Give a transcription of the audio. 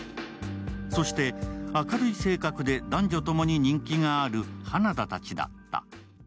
そして明るい性格で男女ともに人気がある花田たちだった。